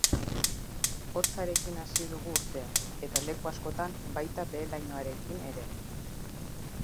Hotzarekin hasi dugu urtea, eta leku askotan baita behe-lainoarekin ere.